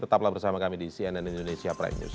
tetaplah bersama kami di cnn indonesia prime news